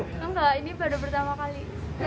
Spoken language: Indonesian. enggak ini baru pertama kali